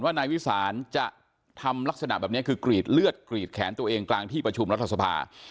นายวิสานจะทำลักษณะแบบนี้คือกรีดเลือดกรีดแขนตัวเองกลางที่ประชุมรัฐสภา